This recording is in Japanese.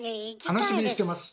楽しみにしてます！